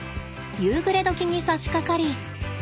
夕暮れ時にさしかかり。